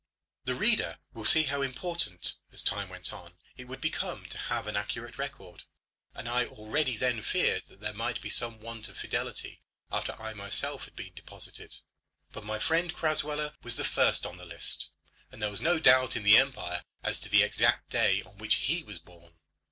The reader will see how important, as time went on, it would become to have an accurate record, and I already then feared that there might be some want of fidelity after I myself had been deposited. But my friend Crasweller was the first on the list, and there was no doubt in the empire as to the exact day on which he was born.